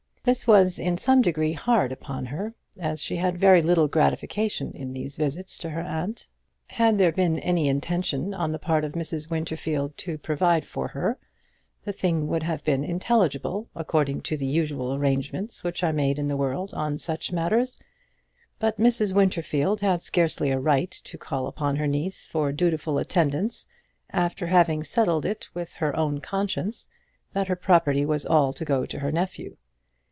This was in some degree hard upon her, as she had very little gratification in these visits to her aunt. Had there been any intention on the part of Mrs. Winterfield to provide for her, the thing would have been intelligible according to the usual arrangements which are made in the world on such matters; but Mrs. Winterfield had scarcely a right to call upon her niece for dutiful attendance after having settled it with her own conscience that her property was all to go to her nephew.